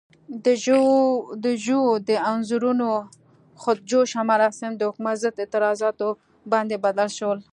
د ژو د انځورونو خود جوشه مراسم د حکومت ضد اعتراضاتو باندې بدل شول.